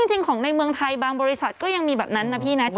จริงของในเมืองไทยบางบริษัทก็ยังมีแบบนั้นนะพี่นะ